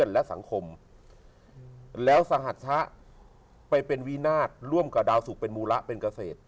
แล้วสหรัฐชะไปเป็นวีนาฏร่วมกับดาวสุขเป็นมูระเป็นเกษตร